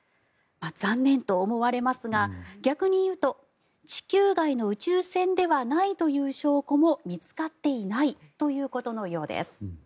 残念と思われますが逆に言うと地球外の宇宙船ではないという証拠も見つかっていないということのようです。